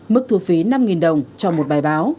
mức thu phí năm đồng cho một bài báo